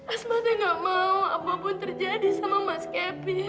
asma kan nggak mau apapun terjadi sama mas kevin ya